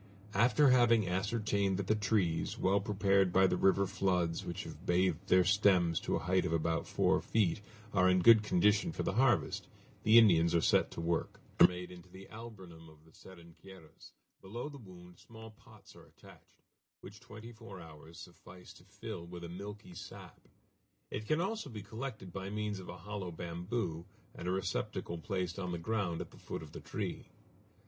After having ascertained that the trees, well prepared by the river floods which have bathed their stems to a height of about four feet, are in good condition for the harvest, the Indians are set to work. Incisions are made into the alburnum of the seringueiras; below the wound small pots are attached, which twenty four hours suffice to fill with a milky sap. It can also be collected by means of a hollow bamboo, and a receptacle placed on the ground at the foot of the tree.